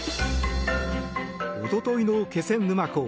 おとといの気仙沼港。